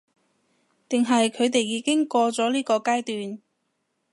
定係佢哋已經過咗呢個階段？